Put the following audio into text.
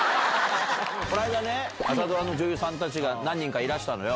こないだ朝ドラの女優さんたちが何人かいらしたのよ。